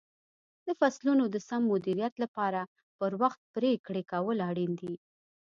د فصلونو د سم مدیریت لپاره پر وخت پرېکړې کول اړین دي.